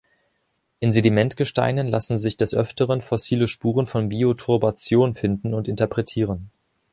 In Sedimentgesteinen lassen sich des Öfteren fossile Spuren von Bioturbation finden und interpretieren.